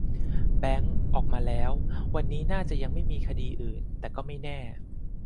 แบงค์ ออกมาแล้ว วันนี้น่าจะยังไม่มีคดีอื่น แต่ก็ไม่แน่